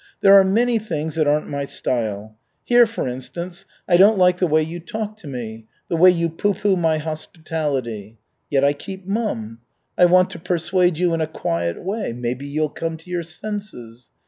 There are many things that aren't my style. Here, for instance, I don't like the way you talk to me, the way you pooh pooh my hospitality. Yet I keep mum. I want to persuade you in a quiet way, maybe you'll come to your senses.